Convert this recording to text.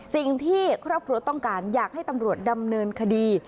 สิ่งที่ครอบครัวต้องการอยากให้ตำรวจดำเนินคดี